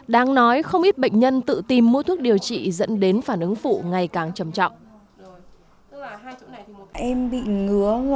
đáng nói không ít bệnh nhân tự tìm mỗi thuốc điều trị dẫn đến phản ứng phụ ngày càng trầm trọng